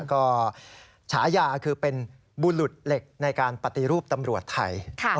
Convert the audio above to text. ก็ฉายาคือเป็นบุรุษเหล็กในการปฏิรูปตำรวจไทย